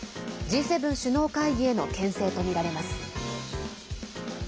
Ｇ７首脳会議へのけん制とみられます。